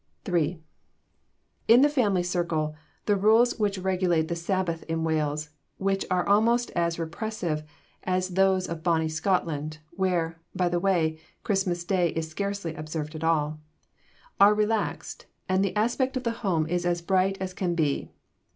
III. In the family circle, the rules which regulate the Sabbath in Wales which are almost as repressive as those of bonnie Scotland, where, by the way, Christmas day is scarcely observed at all are relaxed, and the aspect of the home is as bright as can be.